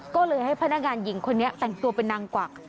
ก็เลยให้พนักงานหญิงคนนี้แต่งตัวเป็นนางกวัก